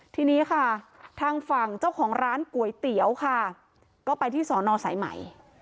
ทีนี้ค่ะทางฝั่งเจ้าของร้านก๋วยเตี๋ยวค่ะก็ไปที่สอนอสายใหม่